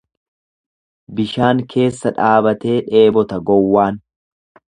Bishaan keessa dhaabatee dheebota gowwaan.